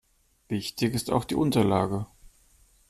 Wichtig ist auch die Unterlage.